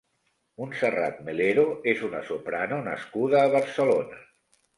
Montserrat Melero és una soprano nascuda a Barcelona.